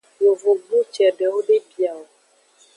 Yovogbu cedewo de bia o.